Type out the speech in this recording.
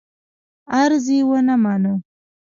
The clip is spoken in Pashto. عرض یې ونه مانه.